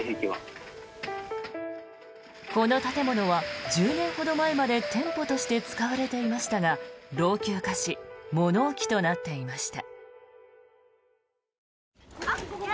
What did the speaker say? この建物は１０年ほど前まで店舗として使われていましたが老朽化し物置となっていました。